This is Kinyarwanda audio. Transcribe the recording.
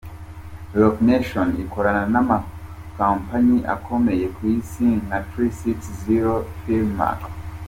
Roc Nation ikorana n’amakompanyi akomeye ku Isi nka Three Six Zero na Philymack.